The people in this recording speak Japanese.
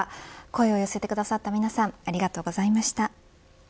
声を寄せてくださった皆さんありがとうございました。